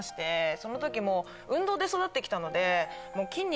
その時もう運動で育って来たので。